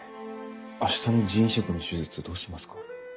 明日の腎移植の手術どうしますか？